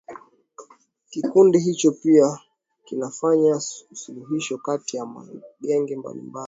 Kikundi hicho pia kinafanya usuluishi kati ya magenge mbalimbali